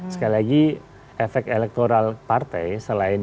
sekali lagi efek elektoral partai selain dukungan ke gerbong pemenang